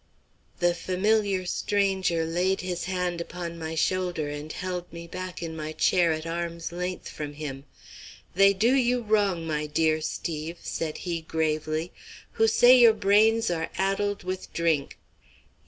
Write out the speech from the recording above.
The familiar stranger laid his hand upon my shoulder and held me back in my chair at arm's length from him. "They do you wrong, my dear Steve," said he, gravely, "who say your brains are addled with drink.